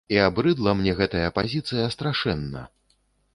І абрыдла мне гэтая пазіцыя страшэнна.